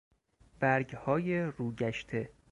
برگ های روگشته